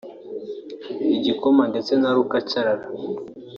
igikoma ndetse na rukacarara